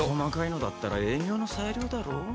細かいのだったら営業の裁量だろ？